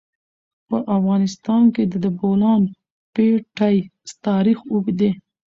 په افغانستان کې د د بولان پټي تاریخ اوږد دی.